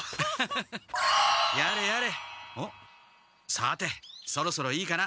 さてそろそろいいかな。